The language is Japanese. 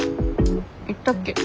言ったっけ？